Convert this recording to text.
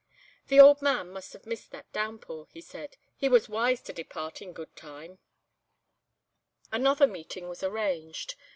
"The old man must have missed that downpour," he said. "He was wise to depart in good time." Another meeting was arranged.